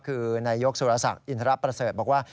คือนายยกสุรศักดิ์อินทรประเสริฐบอกว่า